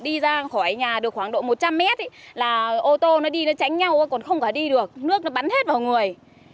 đi ra khỏi nhà được khoảng độ một trăm linh mét là ô tô nó đi nó tránh nhau còn không cả đi được nước nó bắn hết vào người